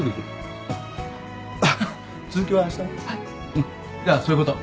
うんじゃそういうこと。